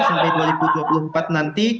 sampai dua ribu dua puluh empat nanti